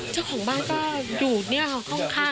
เจ้าของบ้านคือต้านะคะ